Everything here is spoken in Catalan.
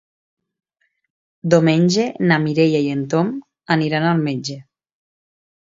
Diumenge na Mireia i en Tom aniran al metge.